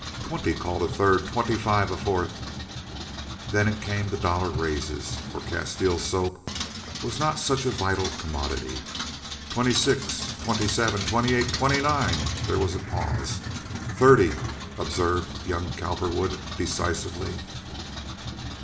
"Twenty," called a third. "Twenty five," a fourth. Then it came to dollar raises, for Castile soap was not such a vital commodity. "Twenty six." "Twenty seven." "Twenty eight." "Twenty nine." There was a pause. "Thirty," observed young Cowperwood, decisively.